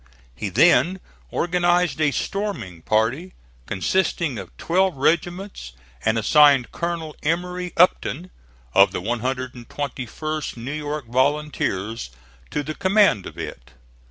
He then organized a storming party, consisting of twelve regiments, and assigned Colonel Emory Upton, of the 121st New York Volunteers, to the command of it.